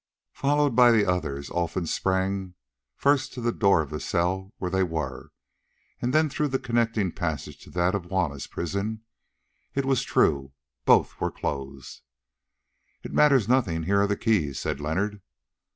Followed by the others, Olfan sprang first to the door of the cell where they were, and then through the connecting passage to that of Juanna's prison. It was true, both were closed. "It matters nothing, here are the keys," said Leonard.